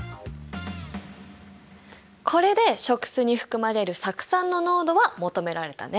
これで食酢に含まれる酢酸の濃度は求められたね。